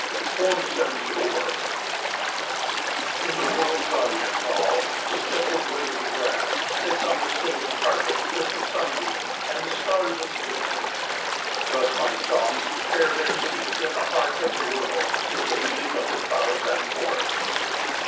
74 In the world's audience hall, the simple blade of grass sits on the same carpet with the sunbeam and the stars of midnight. Thus my songs share their seats in the heart of the world with the music of the clouds and forests.